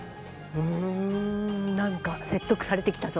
うん何か説得されてきたぞ。